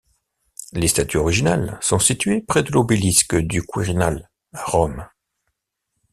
Les statues originales sont situées près de l'obélisque du Quirinal à Rome.